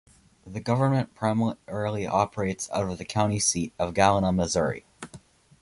The Government primarily operates out of the County Seat of Galena, Missouri.